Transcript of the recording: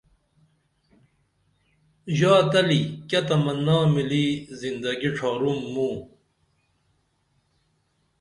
ژا تلی کیہ تمنا مِلی زندگی ڇھارُوم موں